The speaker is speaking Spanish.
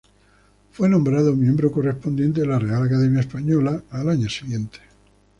Fue nombrado miembro correspondiente de la Real Academia Española al año siguiente.